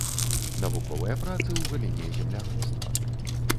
Навуковыя працы ў галіне земляробства.